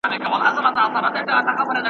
لېونوته په کار نه دي تعبیرونه .